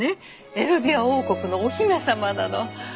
エルビア王国のお姫様なの。